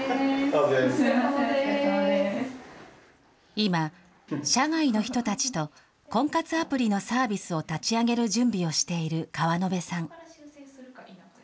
今、社外の人たちと婚活アプリのサービスを立ち上げる準備をしている川野辺さん。